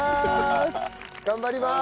頑張ります！